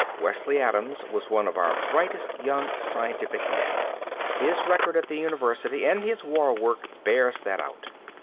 "Wesley Adams was one of our brightest young scientific men. His record at the university and his war work bears that out.